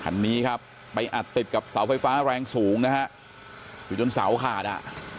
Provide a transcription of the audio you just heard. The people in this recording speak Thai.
คันนี้ครับไปอัดติดกับเสาไฟฟ้าแรงสูงนะฮะอยู่จนเสาขาดอ่ะ